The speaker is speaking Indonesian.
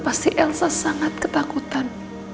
pasti elsa sangat ketakutan